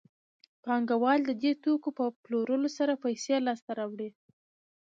پانګوال د دې توکو په پلورلو سره پیسې لاسته راوړي